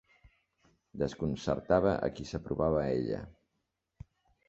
Desconcertava a qui s'apropava a ella.